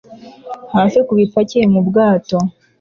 hafi ku bipakiye mu bwato